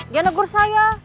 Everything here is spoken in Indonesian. dia negur saya